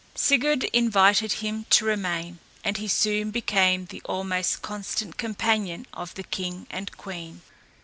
Sigurd invited him to remain, and he soon became the almost constant companion of the king and queen.